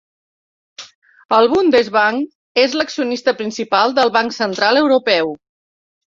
El Bundesbank és l'accionista principal del Banc Central Europeu.